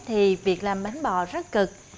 thì việc làm bánh bò rất cực